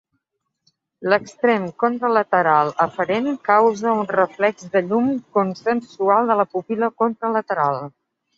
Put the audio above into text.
L'extrem contralateral eferent causa un reflex de llum consensual de la pupil·la contralateral.